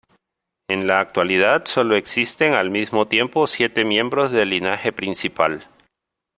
En la actualidad solo existen al mismo tiempo siete miembros del linaje principal.